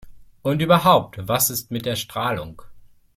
Und überhaupt: Was ist mit der Strahlung?